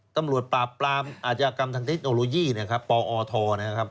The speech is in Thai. ตำรวจปราบปราบอาจกรรมทางเทคโนโลยีปอทนะครับ